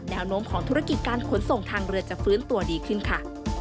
แนวโน้มของธุรกิจการขนส่งทางเรือจะฟื้นตัวดีขึ้นค่ะ